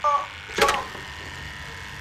له نورو مخلوقاتو څخه سمه ګټه پورته کړئ.